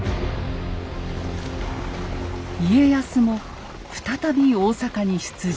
家康も再び大坂に出陣。